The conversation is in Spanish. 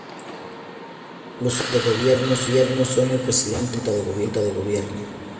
Los órganos de gobierno son el Presidente y la Junta de Gobierno.